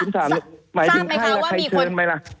สาบไหมคะว่ามีคน